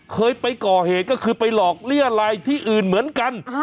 เคยไปก่อเหตุก็คือไปหลอกเลี่ยลายที่อื่นเหมือนกัน